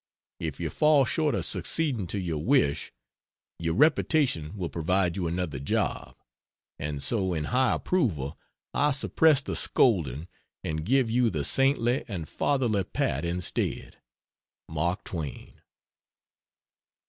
if you fall short of succeeding to your wish, your reputation will provide you another job. And so in high approval I suppress the scolding and give you the saintly and fatherly pat instead. MARK TWAIN.